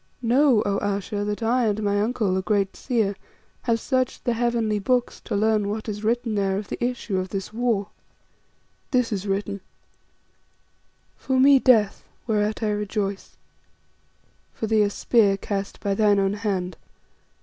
Know, O Ayesha, that I and my uncle, the great seer, have searched the heavenly books to learn what is written there of the issue of this war. "This is written: For me, death, whereat I rejoice. For thee a spear cast by thine own hand.